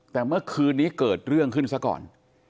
แต่เมื่อคืนนี้เกิดเรื่องขึ้นซะก่อน